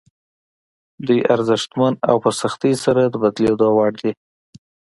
دوی ارزښتمن او په سختۍ سره د بدلېدو وړ دي.